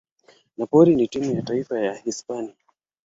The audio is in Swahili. Napoli na timu ya taifa ya Hispania.